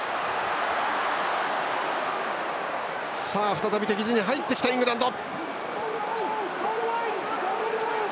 再び敵陣に入ってきたイングランド。